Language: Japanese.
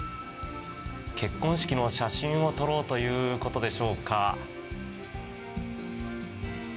結婚式の写真を撮ろうということでしょうか。